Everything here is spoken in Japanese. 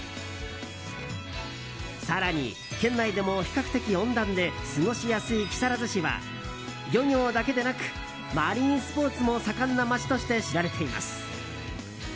更に、県内でも比較的温暖で過ごしやすい木更津市は漁業だけでなくマリンスポーツも盛んな街として知られています。